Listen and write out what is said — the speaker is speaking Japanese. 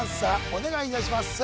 お願いいたします